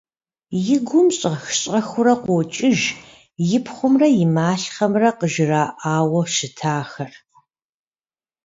И гум щӀэх-щӀэхыурэ къокӀыж и пхъумрэ и малъхъэмрэ къыжраӀауэ щытахэр.